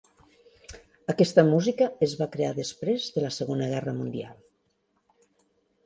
Aquesta música es va crear després de la Segona Guerra Mundial.